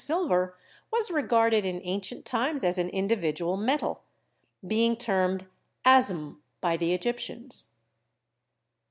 silver was regarded in ancient times as an individual metal, being termed 'asm' by the Egyptians.